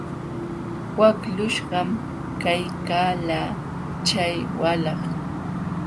Waqlluśhqam kaykalkaa chay walah.